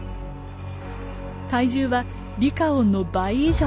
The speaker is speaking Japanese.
体重はリカオンの倍以上。